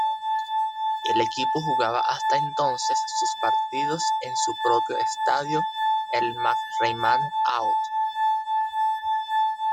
El equipo jugaba hasta entonces sus partidos en su propio estadio: el Max-Reimann-out.